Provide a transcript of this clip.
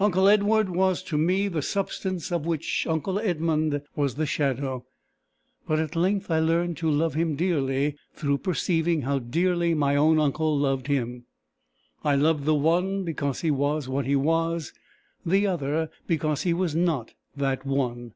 Uncle Edward was to me the substance of which uncle Edmund was the shadow. But at length I learned to love him dearly through perceiving how dearly my own uncle loved him. I loved the one because he was what he was, the other because he was not that one.